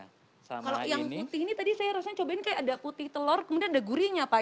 kalau yang putih ini tadi saya rasa cobain kayak ada putih telur kemudian ada gurinya pak